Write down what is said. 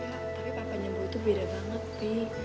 ya tapi papanya boy itu beda banget pi